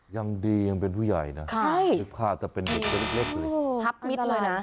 ยังดียังเป็นผู้ใหญ่นะใช่แต่เป็นเหล็กเลยพับมิดเลยนะ